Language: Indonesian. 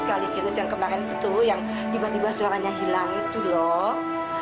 kalisius yang kemarin itu tuh yang tiba tiba suaranya hilang itu loh